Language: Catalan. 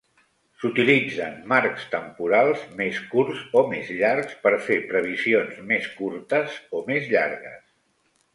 S'utilitzen marcs temporals més curts o més llargs per fer previsions més curtes o més llargues.